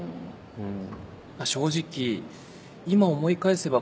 うん。